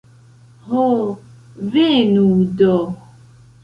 Ho, venu do!